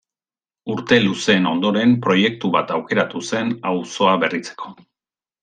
Urte luzeen ondoren, proiektu bat aukeratu zen auzoa berritzeko.